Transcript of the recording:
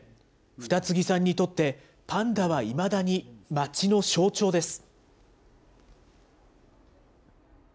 二木さんにとって、パンダはいまだに街の象徴です。